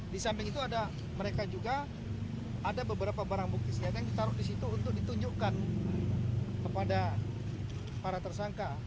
di samping itu ada mereka juga ada beberapa barang bukti senjata yang ditaruh di situ untuk ditunjukkan kepada para tersangka